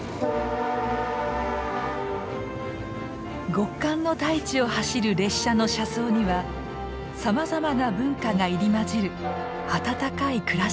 極寒の大地を走る列車の車窓にはさまざまな文化が入り混じる温かい暮らしがあった。